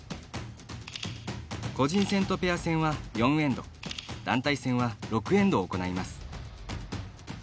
個人戦とペア戦は、４エンド団体戦は６エンド行います。